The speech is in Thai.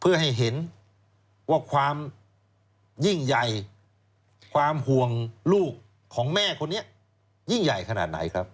เพื่อให้เห็นว่าความยิ่งใหญ่ความห่วงลูกของแม่คนนี้ยิ่งใหญ่ขนาดไหนครับ